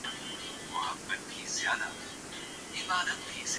F A T F کا پاکستان کو فروری تک گرے لسٹ میں برقرار رکھنے کا فیصلہ